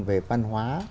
về văn hóa